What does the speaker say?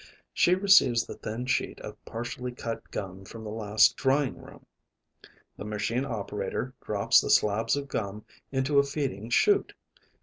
She receives the thin sheet of partially cut gum from the last drying room. The machine operator drops the slabs of gum into a feeding chute.